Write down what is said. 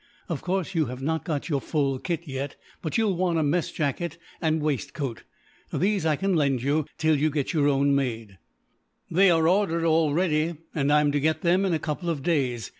Of course, you have not got your full kit yet; but you will want a mess jacket and waistcoat. These I can lend you, till you get your own made." "They are ordered already, and I am to get them in a couple of days.